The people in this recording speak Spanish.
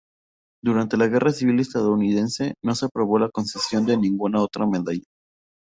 Durante la Guerra Civil Estadounidense no se aprobó la concesión de ninguna otra medalla.